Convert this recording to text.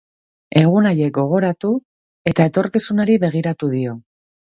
Egun haiek gogoratu eta etorkizunari begiratu dio.